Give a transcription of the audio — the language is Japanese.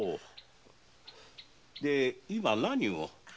で今何を？